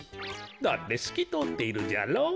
だってすきとおっているじゃろう？